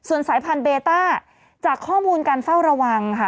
สายพันธุเบต้าจากข้อมูลการเฝ้าระวังค่ะ